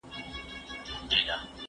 زه به کتاب ليکلی وي.